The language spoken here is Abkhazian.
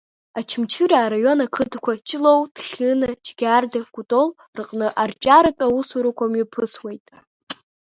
Очамчыра араион ақыҭақәа Ҷлоу, Ҭхьына, Џьгьарда, Кутол рҟны арҽеиратә аусурақәа мҩаԥысуеит.